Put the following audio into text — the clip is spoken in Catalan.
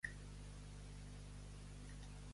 Qui és Lonny, amb qui decideix viure?